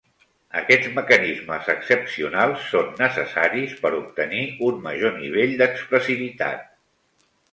Aquests mecanismes excepcionals són necessaris per obtenir un major nivell d'expressivitat.